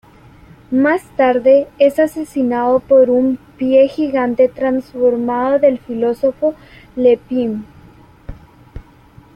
Más tarde es asesinado por un pie gigante transformado del filósofo Le Pym.